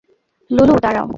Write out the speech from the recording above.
লুলু, দাঁড়াও!